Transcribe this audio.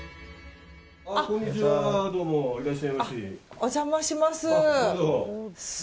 お邪魔します。